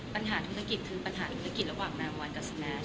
ปัญหาธุรกิจคือปัญหาธุรกิจระหว่างนางวันกับสแนนซ